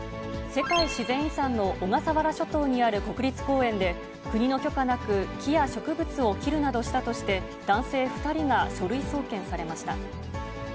世界自然遺産の小笠原諸島にある国立公園で、国の許可なく、木や植物を切るなどしたとして、男性２人が書類送検されました。